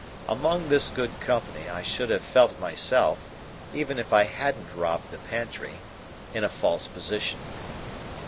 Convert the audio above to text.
Among this good company I should have felt myself, even if I hadn't robbed the pantry, in a false position.